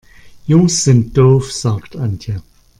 Jungs sind doof, sagt Antje.